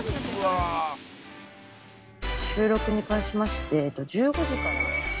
収録に関しまして１５時から。